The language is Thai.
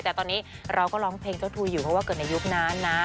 แต่ตอนนี้เราก็ร้องเพลงเจ้าทูยอยู่เพราะว่าเกิดในยุคนั้นนะ